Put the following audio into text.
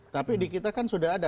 tapi di kita kan sudah ada